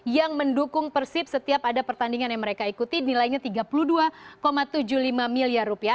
yang mendukung persib setiap ada pertandingan yang mereka ikuti nilainya tiga puluh dua tujuh puluh lima miliar rupiah